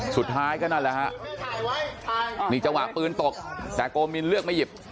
สุดท้ายก็นั่นแหละฮะนี่จังหวะปืนตกแต่โกมินเลือกไม่หยิบ